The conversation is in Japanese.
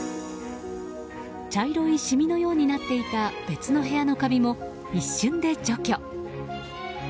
茶色い染みのようになっていた別の部屋のカビも一瞬で除去。